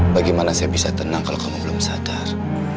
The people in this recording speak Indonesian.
bagaimana saya bisa tenang kalau kamu belum sadar